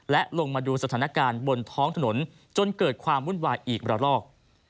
และลงมาดูสถานการณ์บนท้องถนนจนเกิดความวุ่นวายอีกระลอก